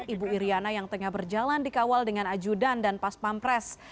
ibu iriana yang tengah berjalan dikawal dengan ajudan dan paspampres